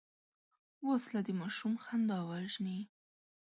وسله د ماشوم خندا وژني